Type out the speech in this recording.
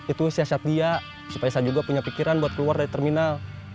itu siasat dia supaya saya juga punya pikiran buat keluar dari terminal